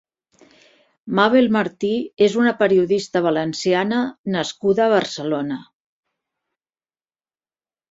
Màbel Martí és una periodista valenciana nascuda a Barcelona.